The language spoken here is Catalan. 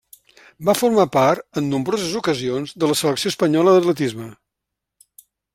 Va formar part, en nombroses ocasions, de la selecció espanyola d'atletisme.